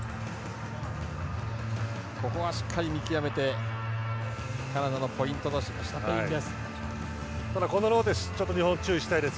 ここはしっかり見極めてカナダのポイントにしたシーンです。